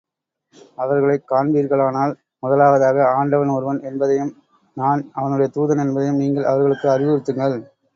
அவர்களைக் காண்பீர்களானால், முதலாவதாக, ஆண்டவன் ஒருவன் என்பதையும், நான் அவனுடைய தூதன் என்பதையும், நீங்கள் அவர்களுக்கு அறிவுறுத்துங்கள்.